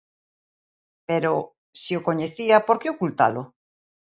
Pero, se o coñecía, ¿por que ocultalo?